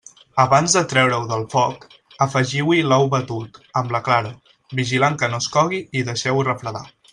Abans de treure-ho del foc, afegiu-hi l'ou batut, amb la clara, vigilant que no es cogui i deixeu-ho refredar.